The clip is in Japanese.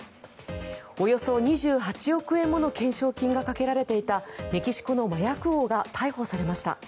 およそ２８億円もの懸賞金がかけられていたメキシコの麻薬王が逮捕されました。